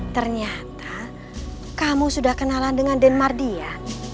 ternyata kamu sudah kenalan dengan den mardia